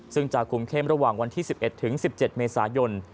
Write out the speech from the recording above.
ซึ่งจะคุมเข้มระหว่างวันที่๑๑ถึง๑๗เมษายน